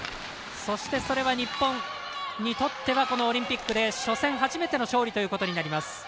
そして、それは日本にとってはこのオリンピックで初戦初めての勝利ということになります。